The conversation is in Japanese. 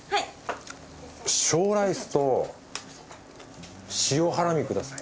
小ライスと塩ハラミください。